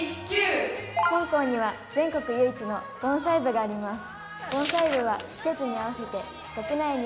本校には全国唯一の盆栽部があります。